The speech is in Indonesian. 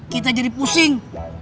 kita jadi pusing